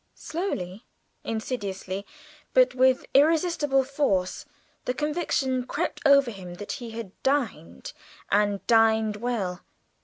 Slowly, insidiously, but with irresistible force, the conviction crept upon him that he had dined, and dined well.